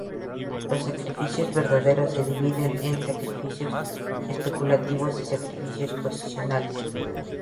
Los sacrificios verdaderos se dividen en "sacrificios especulativos" y "sacrificios posicionales".